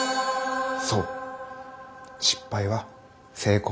そう「失敗は成功の母」。